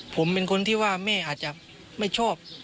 ผมเป็นคนที่ว่าแม่อาจจะไม่ชอบ